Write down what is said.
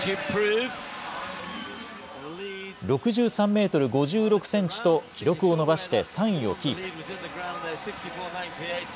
６３メートル５６センチと、記録を伸ばして３位をキープ。